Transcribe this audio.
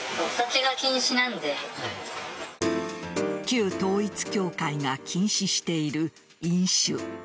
旧統一教会が禁止している飲酒。